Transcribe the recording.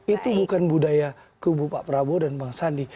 itu bukan budaya kubu pak prabowo dan bang sandi